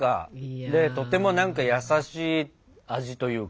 でとても何か優しい味というか。